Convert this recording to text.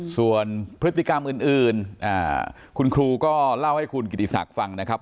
ส่วนพฤติกรรมอื่นคุณครูก็เล่าให้คุณกิติศักดิ์ฟังนะครับ